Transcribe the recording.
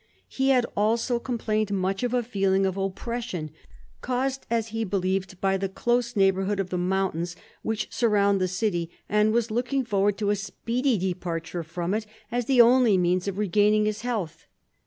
He had also com plained much of a feeling of oppression, caused as he believed by the close neighbourhood of the mountains which surround the city, and was looking forward to a speedy departure from it as the only means of regaining his health.